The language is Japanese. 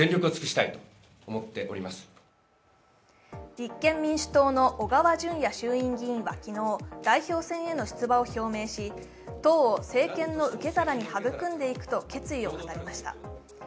立憲民主党の小川淳也衆院議員は昨日、代表選への出馬を表明し、党を政権の受け皿に育んでいくと決意を語りました。